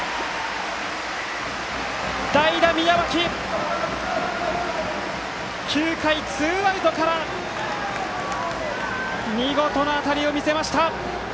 代打の宮脇、９回ツーアウトから見事な当たりを見せました。